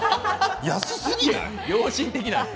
安すぎない。